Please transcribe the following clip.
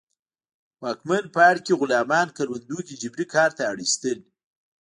واکمن پاړکي غلامان کروندو کې جبري کار ته اړ اېستل